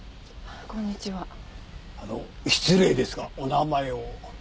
あの失礼ですがお名前を。